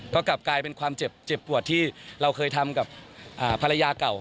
ก็กลับกลายเป็นความเจ็บปวดที่เราเคยทำกับภรรยาเก่า